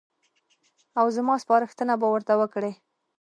او زما سپارښتنه به ورته وکړي.